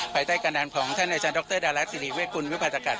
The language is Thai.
ภายใต้การดันของท่านอาจารย์ดรดารักษ์ศิริเวคุณวิภาษกัตร